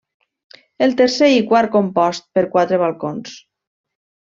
El tercer i quart compost per quatre balcons.